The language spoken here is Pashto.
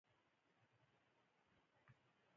هایپو تلاموس د لوږې او تندې د حس کولو مرکز دی.